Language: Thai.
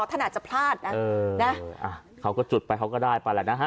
ถ้าหนักจะพลาดนะเออน่ะอ่าเขาก็จุดไปเขาก็ได้ไปแหละนะฮะ